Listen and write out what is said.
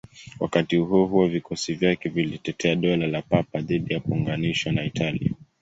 Wakati huo huo, vikosi vyake vilitetea Dola la Papa dhidi ya kuunganishwa na Italia.